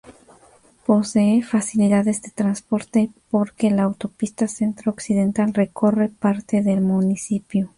Posee facilidades de transporte porque la autopista centro-occidental recorre parte del municipio.